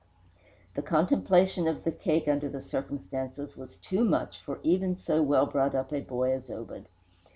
The contemplation of the cake under the circumstances was too much for even so well brought up a boy as Obed.